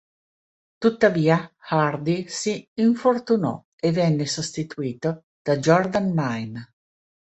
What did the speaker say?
Tuttavia, Hardy si infortunò e venne sostituito da Jordan Mein.